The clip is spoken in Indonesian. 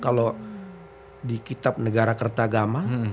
kalau di kitab negara kertagama